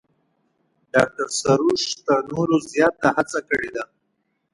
ډاکتر سروش تر نورو زیات هڅه کړې ده.